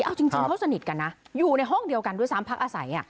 เอาจริงเขาสนิทกันนะอยู่ในห้องเดียวกันด้วยซ้ำพักอาศัย